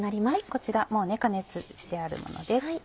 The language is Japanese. こちらもう加熱してあるものです。